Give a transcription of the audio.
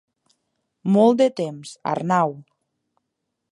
Molt de temps, Arnau.